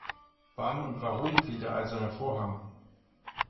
Wann und warum fiel der eiserne Vorhang?